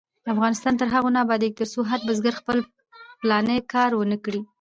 افغانستان تر هغو نه ابادیږي، ترڅو هر بزګر خپل پلاني کار ونکړي.